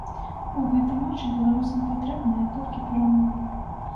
У гэтым матчы беларусам патрэбная толькі перамога.